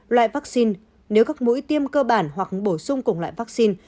loại vaccine nếu các mũi tiêm cơ bản hoặc bổ sung cùng loại vaccine